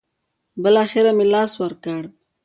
بالاخره مې له لاسه ورکړ.